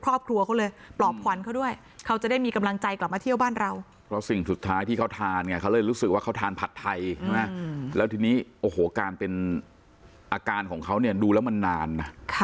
โอ้โหการเป็นอาการของเขาเนี่ยดูแล้วมันนานน่ะ